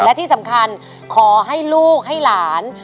และที่สำคัญขอให้ลูกให้หลาน